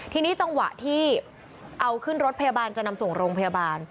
ทีนี้จังหวะที่เอาขึ้นรถพยาบาลจะนำส่งโรงพยาบาล